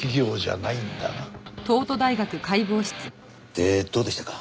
でどうでしたか？